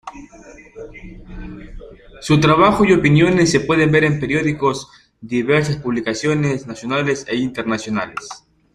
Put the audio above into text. Su trabajo y opiniones se pueden ver en periódicos diversas publicaciones nacionales e internacionales.